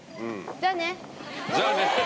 「じゃあね」。